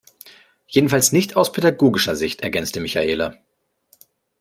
Jedenfalls nicht aus pädagogischer Sicht, ergänzte Michaela.